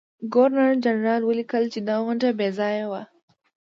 ګورنرجنرال ولیکل چې دا غونډه بې ځایه وه.